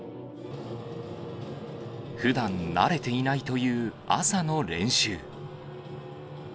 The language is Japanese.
ふだん慣れていないという朝の練習。